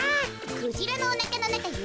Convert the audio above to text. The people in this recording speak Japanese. クジラのおなかのなかよ。